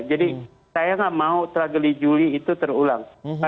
jadi saya tidak mau tragedi juli itu terulang